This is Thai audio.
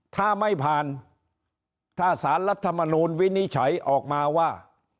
ถ้าไม่ผ่านถ้าสารรัฐมนูลวินิจฉัยออกมาว่า